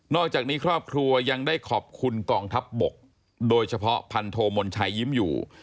อกจากนี้ครอบครัวยังได้ขอบคุณกองทัพบกโดยเฉพาะพันโทมนชัยยิ้มอยู่